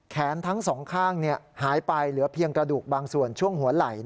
ทั้งสองข้างหายไปเหลือเพียงกระดูกบางส่วนช่วงหัวไหล่